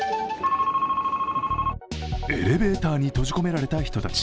エレベーターに閉じ込められた人たち。